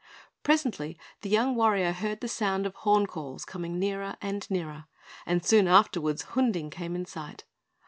Presently the young warrior heard the sound of horn calls coming nearer and nearer; and soon afterwards Hunding came in sight.